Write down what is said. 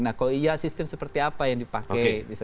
nah kalau iya sistem seperti apa yang dipakai